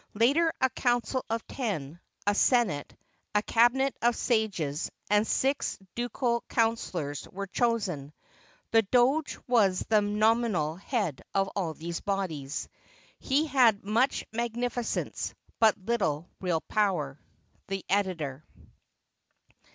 Later, a Council of Ten, a Senate, a Cabinet of Sages, and six Ducal Councilors were chosen. The Doge was the nominal head of all these bodies. He had much magnificence, but Uttle real power. The Editor.